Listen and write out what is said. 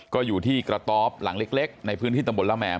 ก็อยู่ที่กระต๊อบหลังเล็กในพื้นที่ตำบลละแหม